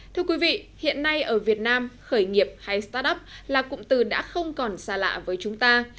thưa quý vị hiện nay ở việt nam khởi nghiệp hay start up là cụm từ đã không còn xa lạ với chúng ta